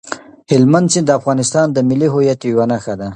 هلمند سیند د افغانستان د ملي هویت یوه نښه ده.